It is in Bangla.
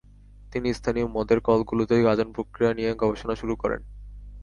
তিনি স্থানীয় মদের কলগুলোতে গাঁজন প্রক্রিয়া নিয়ে গবেষণা শুরু করেন।